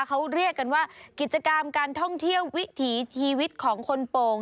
เขาเรียกกันว่ากิจกรรมการท่องเที่ยววิถีชีวิตของคนโป่ง